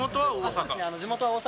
地元は大阪？